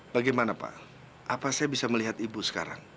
bagaimana pak apa saya bisa melihat ibu sekarang